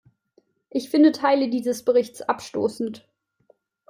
Ich finde Teile dieses Berichts abstoßend.